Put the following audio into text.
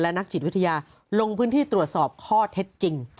นักจิตวิทยาลงพื้นที่ตรวจสอบข้อเท็จจริง